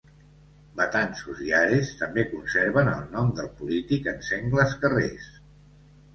Betanzos i Ares també conserven el nom del polític en sengles carrers.